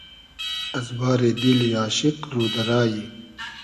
از باری دیلی آشیق رو دۂ رایی